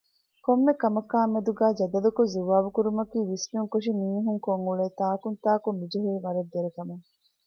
ކޮންމެކަމަކާމެދުގައި ޖަދަލުކޮށް ޒުވާބުކުރުމަކީ ވިސްނުންކޮށި މީހުންކޮށްއުޅޭ ތާކުންތާކުނުޖެހޭ ވަރަށް ދެރަކަމެއް